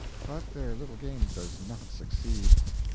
But their little game does not succeed.